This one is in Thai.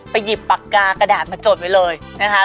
หยิบปากกากระดาษมาจดไว้เลยนะคะ